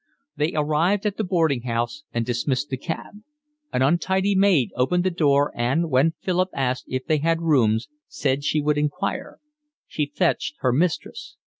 They arrived at the boarding house and dismissed the cab. An untidy maid opened the door and, when Philip asked if they had rooms, said she would inquire. She fetched her mistress.